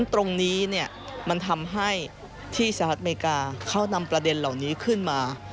ตรงนี้มันทำให้ที่สหรัฐอเมริกาเขานำประเด็นเหล่านี้ขึ้นมา